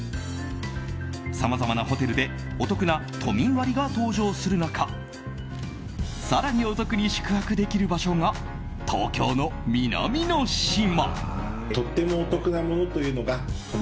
さまざまなホテルでお得な都民割が登場する中更にお得に宿泊できる場所が東京の南の島。